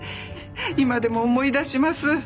今でも思い出します。